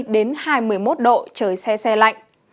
một mươi một độ trời xe xe lạnh